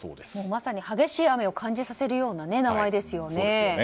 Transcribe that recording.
まさに激しい雨を感じさせるような名前ですよね。